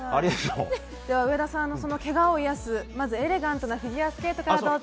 上田さんのけがを癒やすまずエレガントなフィギュアスケートからどうぞ。